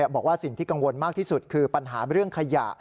บอกว่าสิ่งที่กังวลมากที่สุดคือปัญหาเรื่องขยะ